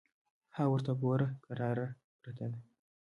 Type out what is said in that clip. _ها ورته وګوره! کراره پرته ده.